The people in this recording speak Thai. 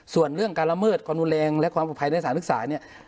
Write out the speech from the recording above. ส่วนเรื่องการละเมิดความรุนแรงและความปลอดภัยในสถานศึกษาเนี่ย